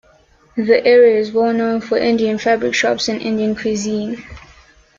The area is well known for Indian fabric shops and Indian cuisine.